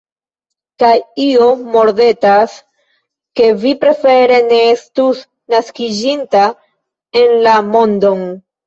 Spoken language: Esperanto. Kaj io mordetas, ke vi prefere ne estus naskiĝinta en la mondon?